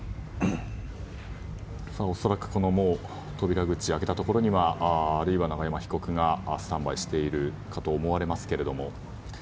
恐らく扉口、開けたところには永山被告がスタンバイしているかと思われますけれども。